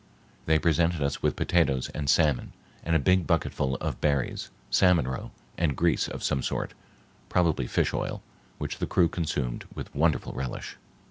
They presented us with potatoes and salmon and a big bucketful of berries, salmon roe, and grease of some sort, probably fish oil, which the crew consumed with wonderful relish.